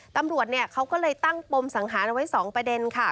ตำรวจเขาก็เลยตั้งปมสังหารเอาไว้๒ประเด็นค่ะ